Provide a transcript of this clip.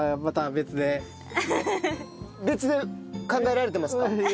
別で考えられてますか？